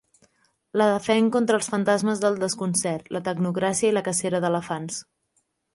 La defenc contra els fantasmes del desconcert, la tecnocràcia i la cacera d'elefants.